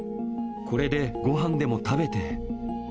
これでごはんでも食べて。